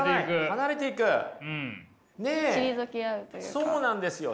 そうなんですよ。